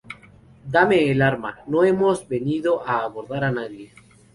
deme el arma. no hemos venido a abordar a nadie.